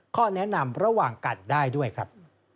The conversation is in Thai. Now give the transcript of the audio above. ข้อแนะนำระหว่างกันได้ด้วยครับ